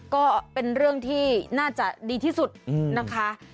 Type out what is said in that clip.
ก็เป็นเรื่องที่น่าจะดีที่สุดนะคะ